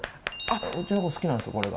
うちの子好きなんですこれが。